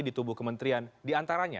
di tubuh kementerian diantaranya